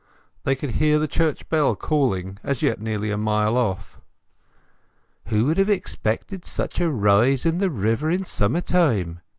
They could hear the church bell calling—as yet nearly a mile off. "Who would have expected such a rise in the river in summer time!"